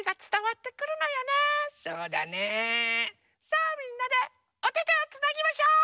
さあみんなでおててをつなぎましょう！